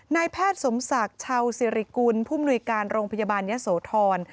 นายแพทย์สมศักดิ์ชาวสิริกุลผู้มนุยการโรงพยาบาลยะโสธร